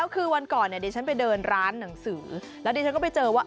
คือวันก่อนเนี่ยดิฉันไปเดินร้านหนังสือแล้วดิฉันก็ไปเจอว่า